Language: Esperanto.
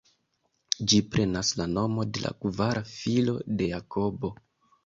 Ĝi prenas la nomo de la kvara filo de Jakobo.